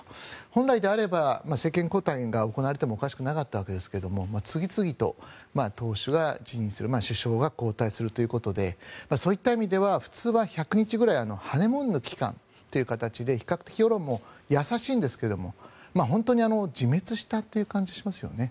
本来であれば政権交代が行われてもおかしくなかったわけですが次々と党首が辞任する首相が交代するということでそういった意味では普通は１００日ぐらいハネムーンの期間ということで比較的世論も優しいんですが本当に自滅したという感じがしますよね。